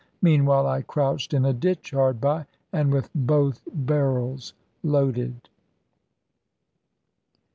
Meanwhile I crouched in a ditch hard by, and with both barrels loaded.